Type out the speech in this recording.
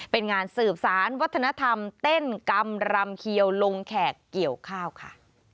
เป็นงานสืบสารวัฒนธรรมเต้นกรรมรำเขียวลงแขกเกี่ยวข้าวค่ะ